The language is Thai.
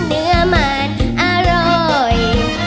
เนื้อมันอร่อย